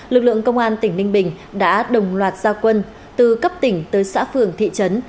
lực lượng công an tỉnh ninh bình đã đồng loạt gia quân từ cấp tỉnh tới xã phường thị trấn